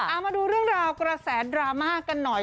เอามาดูเรื่องราวกระแสดราม่ากันหน่อย